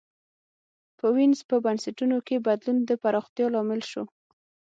په وینز په بنسټونو کې بدلون د پراختیا لامل شو.